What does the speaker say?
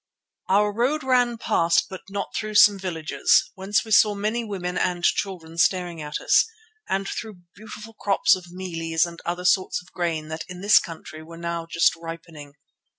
Our road ran past but not through some villages whence we saw many women and children staring at us, and through beautiful crops of mealies and other sorts of grain that in this country were now just ripening.